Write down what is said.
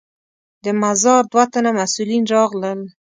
د مزار دوه تنه مسوولین راغلل.